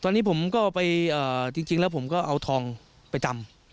ในตอนนี้จริงแล้วผมก็เอาทองไปจำ